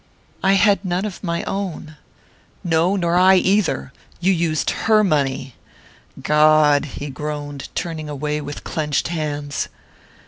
"I had none of my own." "No nor I either! You used her money. God!" he groaned, turning away with clenched hands.